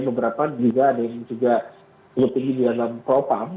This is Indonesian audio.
beberapa juga ada yang juga tinggi di dalam propam